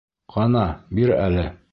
Ҡана, бир әле!